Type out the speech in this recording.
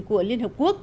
của liên hợp quốc